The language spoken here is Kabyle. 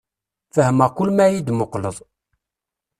Fehmeɣ kul ma yi-d-muqleḍ.